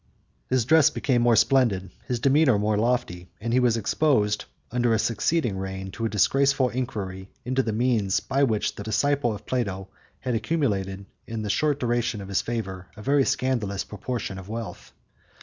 His dress became more splendid, his demeanor more lofty, and he was exposed, under a succeeding reign, to a disgraceful inquiry into the means by which the disciple of Plato had accumulated, in the short duration of his favor, a very scandalous proportion of wealth.